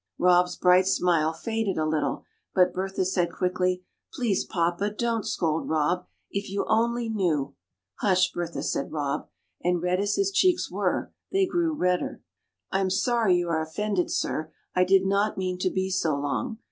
Rob's bright smile faded a little; but Bertha said, quickly, "Please, papa, don't scold Rob. If you only knew " "Hush, Bertha!" said Rob; and red as his cheeks were, they grew redder. "I am sorry you are offended, sir. I did not mean to be so long.